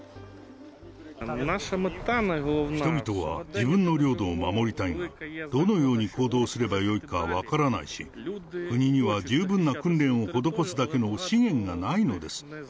人々は自分の領土を守りたいが、どのように行動すればよいか分からないし、国には十分な訓練を施すだけの資源がないのです。